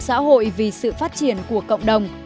xác định trách nhiệm xã hội vì sự phát triển của cộng đồng